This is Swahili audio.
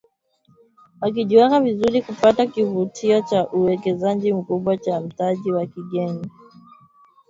Wakijiweka vizuri kupata kivutio cha uwekezaji mkubwa wa mtaji wa kigeni na kufikia kuwa kituo cha fedha cha kieneo